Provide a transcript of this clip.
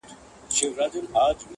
چي په تش ګومان مي خلک کړولي!.